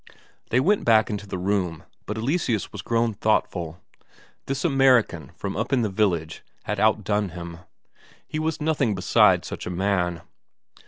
They went back into the room, but Eleseus was grown thoughtful. This American from up in the village had outdone him; he was nothing beside such a man.